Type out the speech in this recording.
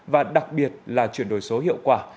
và đặc biệt là chuyển đổi số hiệu quả